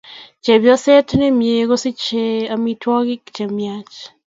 Chopisiet nemie kosichei amitwogik chemiach